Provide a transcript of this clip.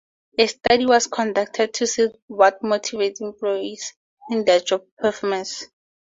A study was conducted to see what motivates employees in their job performance.